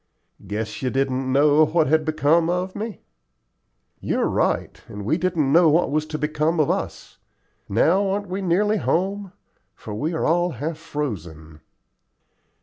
"Guess you didn't know what had become of me?" "You're right and we didn't know what was to become of us. Now aren't we nearly home? For we are all half frozen."